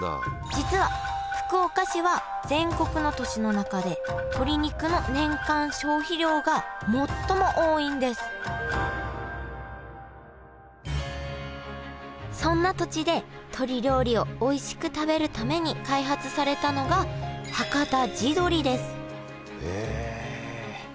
実は福岡市は全国の都市の中で鶏肉の年間消費量が最も多いんですそんな土地で鶏料理をおいしく食べるために開発されたのがはかた地どりですへえ。